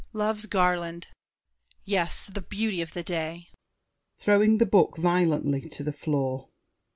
Love's Garland!" Yes, the beauty of the day! [Throwing the book violently to the floor.